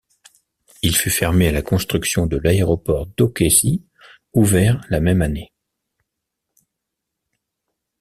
Il fut fermé à la construction de l'aéroport d'Okecie, ouvert la même année.